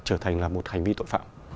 trở thành là một hành vi tội phạm